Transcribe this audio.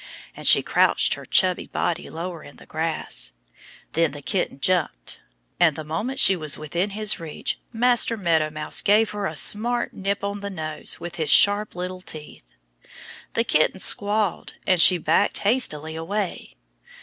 And she crouched her chubby body lower in the grass. Then the kitten jumped. And the moment she was within his reach Master Meadow Mouse gave her a smart nip on the nose with his sharp little teeth. The kitten squalled. And she backed hastily away.